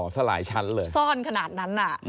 สระหายชั้นเลยอเรนนี่ซ่อนขนาดนั้น